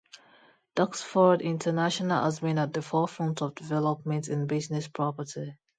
Doxford International has been at the forefront of developments in business property.